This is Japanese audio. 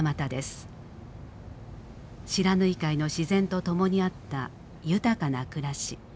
不知火海の自然と共にあった豊かな暮らし。